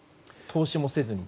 投資もせずに。